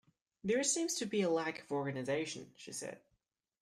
There seems to be a lack of organisation, she said